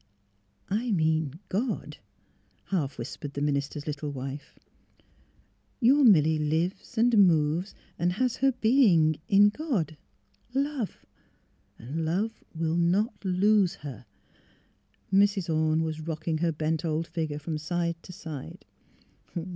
*' I mean — God," half whispered the minister's little wife. '' Your Milly lives and moves and has her being in — God — Love. Love will — ^not — lose — her. ..." Mrs. Orne was rocking her bent old figure from side to side.